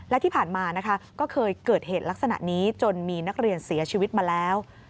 และที่ผ่านมานะคะก็เคยเกิดเหตุลักษณะนี้จนมีนักเรียนเสียชีวิตมาแล้ว